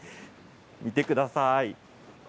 見てください。